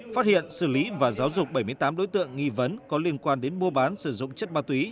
phát hiện xử lý và giáo dục bảy mươi tám đối tượng nghi vấn có liên quan đến mua bán sử dụng chất ma túy